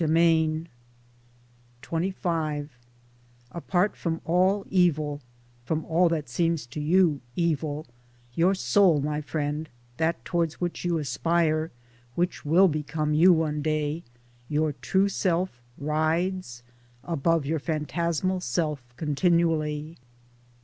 36 Towards Democracy XXV Apart from all evil — from all that seems to you evil — your Soul, my friend, that towards which you aspire, which will become you one day — your true Self — rides, Above your phantasmal self continually.